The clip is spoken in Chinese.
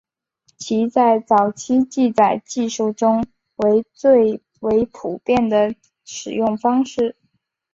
其在早期记载技术中为最为普遍的使用方式。